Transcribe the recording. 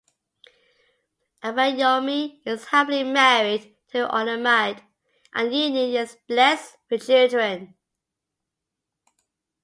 Abayomi is happily married to Olamide and the union is blessed with children.